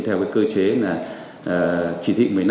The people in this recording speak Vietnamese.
theo cơ chế chỉ thị một mươi năm